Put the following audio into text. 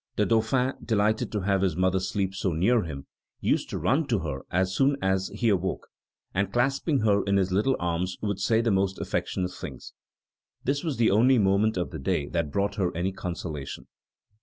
The Dauphin, delighted to have his mother sleep so near him, used to run to her as soon as he awoke, and clasping her in his little arms would say the most affectionate things. This was the only moment of the day that brought her any consolation.